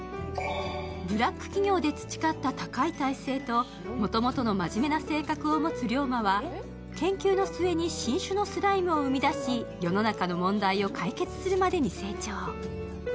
ブラック企業で培った高い耐性ともともとの真面目な性格を持つ竜馬は、研究の末に新種のスライムを生み出し、世の中の問題を解決するまでに成長。